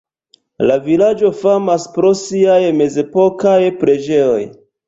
La vilaĝo famas pro siaj mezepokaj preĝejoj.